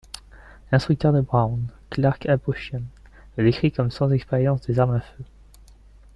L'instructeur de Brown, Clark Aposhian, le décrit comme sans expérience des armes à feu.